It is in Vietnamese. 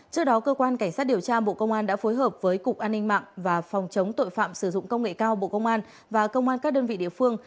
trước đó cơ quan cảnh sát điều tra bộ công an đã phối hợp với cục an ninh mạng và phòng chống tội phạm sử dụng công nghệ cao bộ công an và công an các đơn vị địa phương